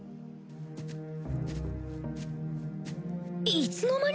いつの間に？